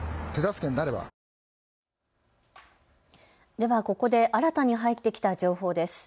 ではここで新たに入ってきた情報です。